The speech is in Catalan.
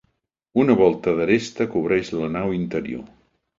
Una volta d'aresta cobreix la nau interior.